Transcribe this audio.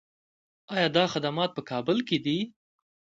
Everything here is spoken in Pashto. آیا دا خدمات په کابل کې دي؟